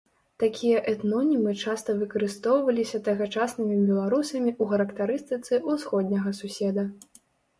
Такія этнонімы часта выкарыстоўваліся тагачаснымі беларусамі ў характарыстыцы ўсходняга суседа.